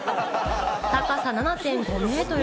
高さ７．５メートル。